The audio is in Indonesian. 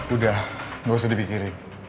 udah gak usah dipikirin